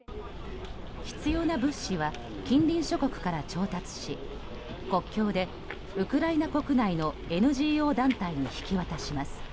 必要な物資は近隣諸国から調達し国境で、ウクライナ国内のＮＧＯ団体に引き渡します。